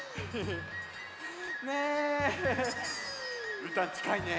うーたんちかいね。ね。